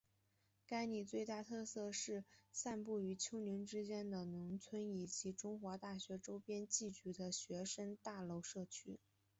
该里最大的特色是散布于丘陵之间的农村以及中华大学周边聚集的学生大楼社区。